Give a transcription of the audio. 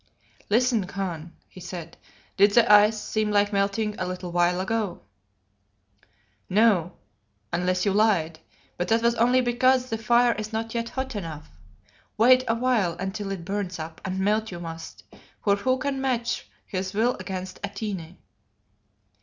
"Listen, Khan," he said. "Did the ice seem like melting a little while ago?" "No unless you lied. But that was only because the fire is not yet hot enough. Wait awhile until it burns up, and melt you must, for who can match his will against Atene?"